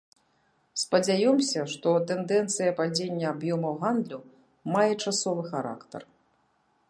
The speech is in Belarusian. Спадзяёмся, што тэндэнцыя падзення аб'ёмаў гандлю мае часовы характар.